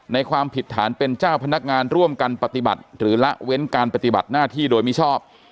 ความผิดฐานเป็นเจ้าพนักงานร่วมกันปฏิบัติหรือละเว้นการปฏิบัติหน้าที่โดยมิชอบ